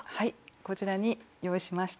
こちらに用意しました。